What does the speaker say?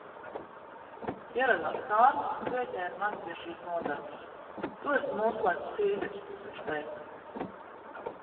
Ieradās Kārlis un pieķēra mani pie šīs nodarbes. "Tu esi mūslaiku Sīzifis", viņš teica.